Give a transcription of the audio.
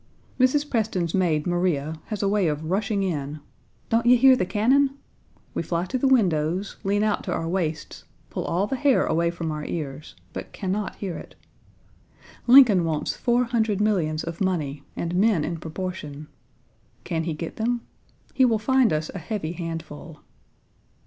Mrs. Preston's maid Maria has a way of rushing in "Don't you hear the cannon?" We fly to the windows, lean out to our waists, pull all the hair away from our ears, but can not hear it. Lincoln wants four hundred millions of money and men in proportion. Can he get them? He will find us a heavy handful.